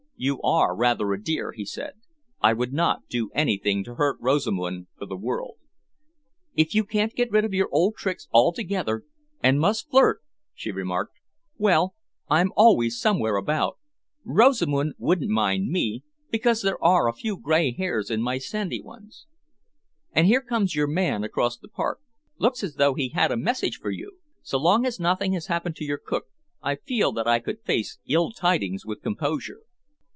"You are rather a dear," he said. "I would not do anything to hurt Rosamund for the world." "If you can't get rid of your old tricks altogether and must flirt," she remarked, "well, I'm always somewhere about. Rosamund wouldn't mind me, because there are a few grey hairs in my sandy ones. And here comes your man across the park looks as though he had a message for you. So long as nothing has happened to your cook, I feel that I could face ill tidings with composure."